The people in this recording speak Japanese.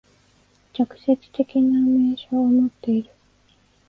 直接的な明証をもっている。